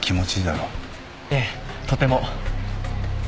ええとても。